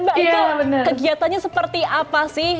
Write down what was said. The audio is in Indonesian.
mbak itu kegiatannya seperti apa sih